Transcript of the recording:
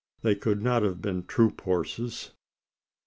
They could not have been troop horses?